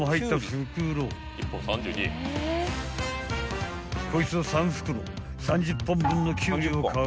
［こいつを３袋３０本分のキュウリをカゴへ］